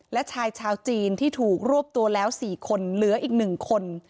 และชายชาวจีนที่ถูกรวบตัวแล้ว๔คนเหลืออีก๑คน